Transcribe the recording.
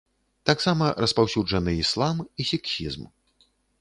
Таксама распаўсюджаны іслам і сікхізм.